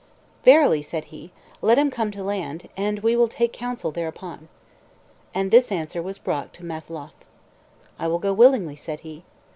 "Verily," said he, "let him come to land, and we will take counsel thereupon." And this answer was brought to Matholch. "I will go willingly," said he.